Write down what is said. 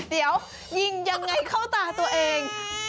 เดี๋ยวยิงยังไงเข้าตาตัวเอง